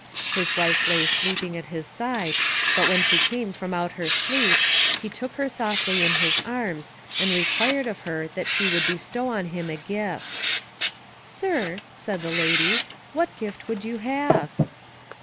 His wife lay sleeping at his side, but when she came from out her sleep, he took her softly in his arms, and required of her that she would bestow on him a gift. "Sir," said the lady, "what gift would you have?"